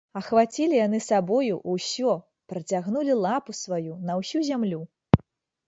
Ахвацілі яны сабою ўсё, працягнулі лапу сваю на ўсю зямлю.